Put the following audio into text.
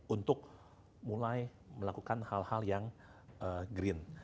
untuk mulai melakukan hal hal yang green